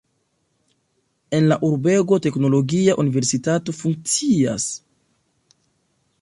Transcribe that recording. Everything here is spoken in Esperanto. En la urbego teknologia universitato funkcias.